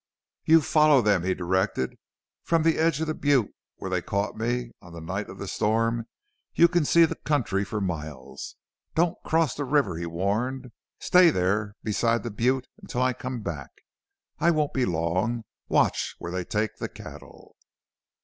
"You follow them," he directed. "From the edge of the butte where they caught me on the night of the storm you can see the country for miles. Don't cross the river," he warned. "Stay there beside the butte until I come back I won't be long. Watch where they take the cattle!"